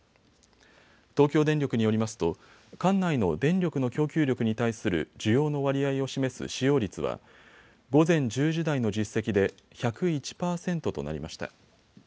東京電力によりますと管内の電力の供給力に対する需要の割合を示す使用率は午前１０時台の実績で１０１％となりました。